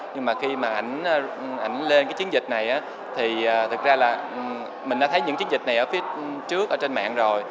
nhưng mà khi mà ảnh lên cái chiến dịch này thì thực ra là mình đã thấy những chiến dịch này ở phía trước ở trên mạng rồi